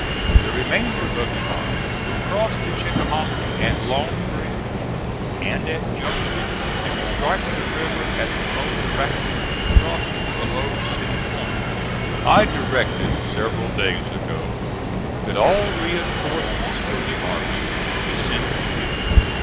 The remainder of the army will cross the Chickahominy at Long Bridge and at Jones's, and strike the river at the most practicable crossing below City Point. I directed several days ago that all reinforcements for the army should be sent to you.